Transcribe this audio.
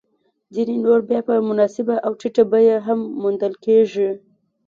ځیني نور بیا په مناسبه او ټیټه بیه هم موندل کېږي